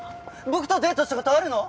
僕とデートした事あるの！？